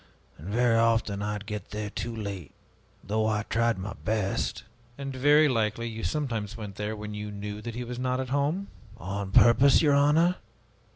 And very often I would get there too late, though I tried my best." "And very likely you sometimes went there when you knew that he was not at home?" "On purpose, your honor?